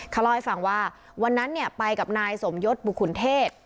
ข้ารอยฟังว่าวันนั้นเนี่ยไปกับนายสมยศบุคุณเทศ